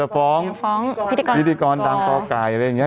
ฟ้องฟ้องพิธีกรดังกไก่อะไรอย่างนี้